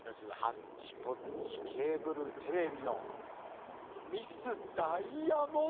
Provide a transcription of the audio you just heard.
ハッチポッチケーブルテレビのミス・ダイヤモンド！